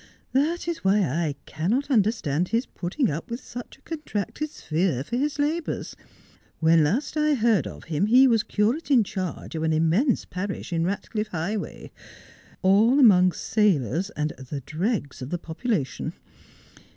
That is why I cannot understand his putting up with such a contracted sphere for his labours. When last I heard of him he was curate in charge of an immense parish in Ratcliff Highway, all among sailors and the very dregs of the population.